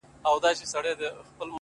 زه به دا ټول كندهار تاته پرېږدم؛